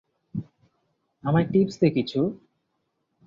আমায় টিপস দে কিছু।